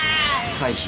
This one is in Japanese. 回避。